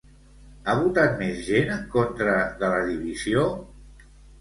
Ha votat més gent en contra de la divisió?